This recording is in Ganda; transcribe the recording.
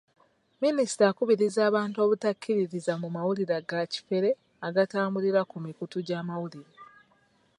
Minisita akubiriza abantu obutakkiririza mu mawulire ga kifere agatambulira ku mikutu gy'amawulire